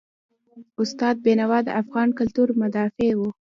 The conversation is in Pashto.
استاد بینوا د افغان کلتور مدافع و.